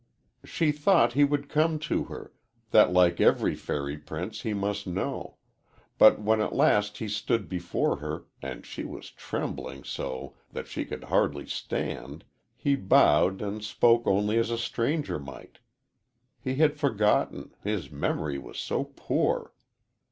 She thought he would come to her that like every fairy prince, he must know but when at last he stood before her, and she was trembling so that she could hardly stand, he bowed and spoke only as a stranger might. He had forgotten his memory was so poor.